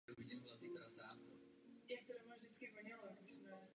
Působí též jako korespondent německého deníku Die Welt.